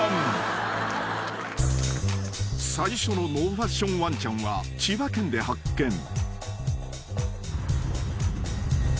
［最初のノーファッションワンチャンは千葉県で発見］